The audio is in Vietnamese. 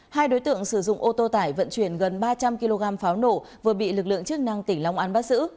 hai đối tượng sử dụng ô tô tải vận chuyển gần ba trăm linh kg pháo nổ vừa bị lực lượng chức năng tỉnh long an bắt giữ